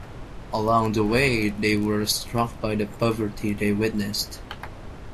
Along the way they were struck by the poverty they witnessed.